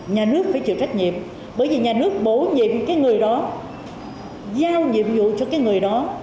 nhà nước phải chịu trách nhiệm bởi vì nhà nước bổ nhiệm cái người đó giao nhiệm vụ cho cái người đó